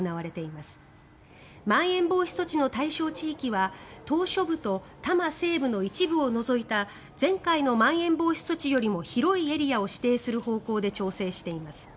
まん延防止措置の対象地域は島しょ部と多摩西部の一部を除いた前回のまん延防止措置よりも広いエリアを指定する方向で調整しています。